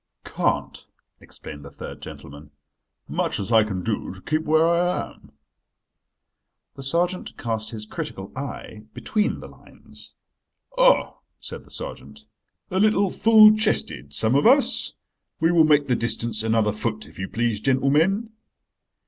"Can't," explained the third gentleman, "much as I can do to keep where I am." The sergeant cast his critical eye between the lines. "Ah," said the sergeant, "a little full chested, some of us. We will make the distance another foot, if you please, gentlemen."